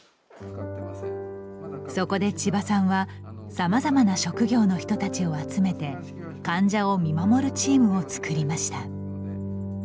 そこで千場さんはさまざまな職業の人たちを集めて患者を見守るチームを作りました。